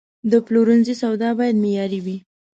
د پلورنځي سودا باید معیاري وي.